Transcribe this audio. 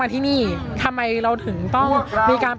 อย่างที่บอกไปว่าเรายังยึดในเรื่องของข้อเรียกร้อง๓ข้อ